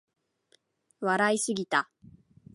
笑いすぎた